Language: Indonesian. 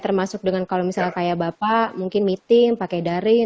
termasuk dengan kalau misalnya kayak bapak mungkin meeting pakai daring